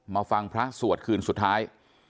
มาฟังพระสวดคืนสุดท้าย